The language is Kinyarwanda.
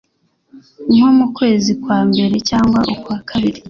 nko mu kwezi kwa mbere cyangwa ukwa kabiri”